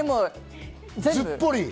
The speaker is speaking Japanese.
すっぽり。